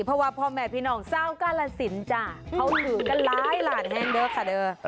เพราะว่าพ่อแม่พี่น้องเศร้ากาลสินจ้ะเขาอยู่กันหลายล้านแฮนโดสค่ะเด้อ